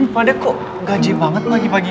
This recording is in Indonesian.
padahal kok gaji banget pagi pagi gini